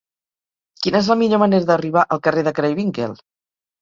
Quina és la millor manera d'arribar al carrer de Craywinckel?